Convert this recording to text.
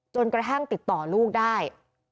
กระทั่งติดต่อลูกได้